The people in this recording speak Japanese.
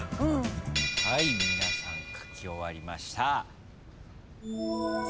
はい皆さん書き終わりました。